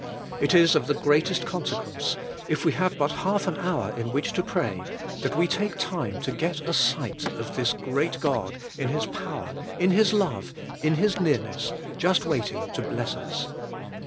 It is of the greatest consequence, if we have but half an hour in which to pray, that we take time to get a sight of this great God, in His power, in His love, in His nearness, just waiting to bless us.